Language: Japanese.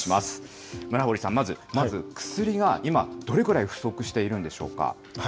村堀さん、まず、薬が今、どれぐらい不足しているんでしょうか。